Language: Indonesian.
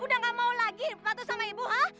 udah enggak mau lagi patuh sama ibu hah